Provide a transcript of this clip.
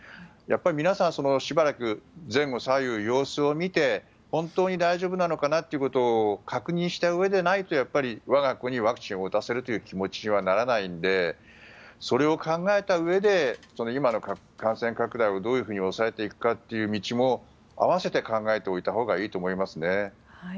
やっぱり皆さん、しばらく前後左右様子を見て本当に大丈夫なのかなってことを確認したうえでないとやっぱり我が子にワクチンを打たせるという気持ちにならないのでそれを考えたうえで今の感染拡大をどういうふうに抑えるかという道も併せて考えておいたほうがいいと思いますね。